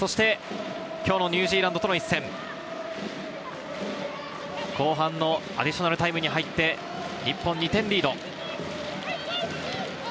今日のニュージーランドとの一戦、後半アディショナルタイムに入って日本２点リード。